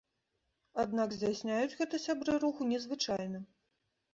Аднак здзяйсняюць гэта сябры руху незвычайна.